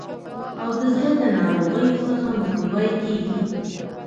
او د زړه د ناروغیو څخه مخنیوی کیږي.